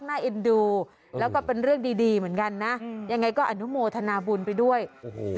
เอ็นดูแล้วก็เป็นเรื่องดีดีเหมือนกันนะอืมยังไงก็อนุโมทนาบุญไปด้วยโอ้โห